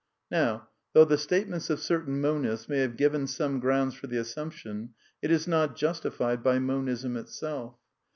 Now, though the statements of certain monists may have given some grounds for the assumption, it is not justi j. ^ fied by Monism itself.